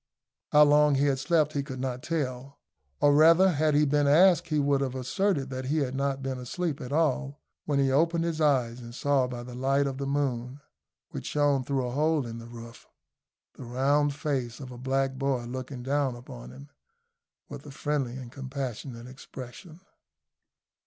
How long he had slept he could not tell; or rather, had he been asked he would have asserted that he had not been asleep at all, when he opened his eyes and saw by the light of the moon, which shone through a hole in the roof, the round face of a black boy looking down upon him with a friendly and compassionate expression.